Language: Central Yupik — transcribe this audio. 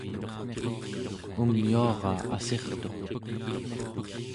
umyuara assirtuq